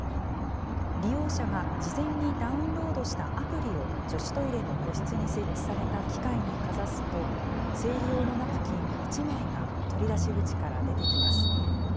利用者が事前にダウンロードしたアプリを女子トイレの個室に設置された機械にかざすと、生理用のナプキン１枚が、取り出し口から出てきます。